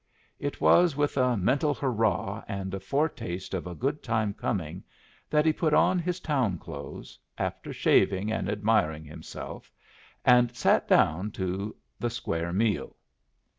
It was with a mental hurrah and a foretaste of a good time coming that he put on his town clothes, after shaving and admiring himself, and sat down to the square meal.